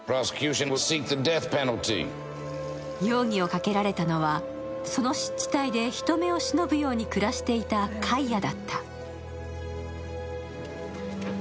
容疑をかけられたのは、その湿地帯で人目を忍ぶように暮らしていたカイアだった。